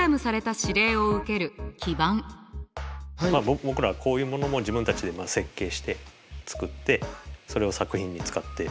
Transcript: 僕らはこういうものも自分たちで設計して作ってそれを作品に使ってる。